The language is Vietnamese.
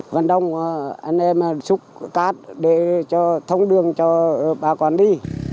vân đông anh em xúc cắt để cho thông đường cho bà quản đi